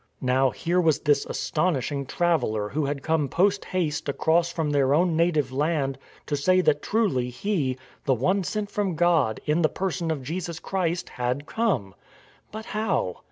Now here was this astonishing traveller who had come post haste across from their own native land to say that truly He, the One sent from God, in the per son of Jesus Christ, had come. But how?